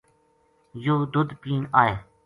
یوہ دُدھ پین آئے